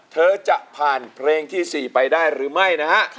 เธอจะผ่านเพลงที่๔ไปได้หรือไม่นะฮะ